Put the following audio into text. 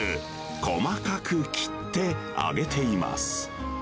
細かく切って、揚げています。